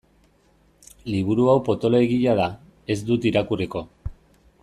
Liburu hau potoloegia da, ez dut irakurriko.